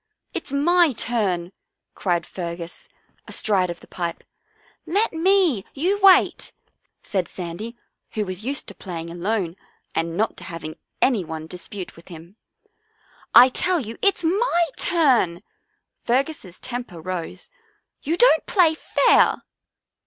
" It's my turn," cried Fergus, astride of the pipe. " Let me. You wait," said Sandy, who was used to playing alone and not to having any one dispute with him. "I tell you it's my turn!" Fergus' temper rose. " You don't play fair."